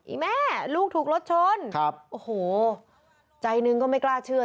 แม่ลูกถูกรถชนครับโอ้โหใจหนึ่งก็ไม่กล้าเชื่อ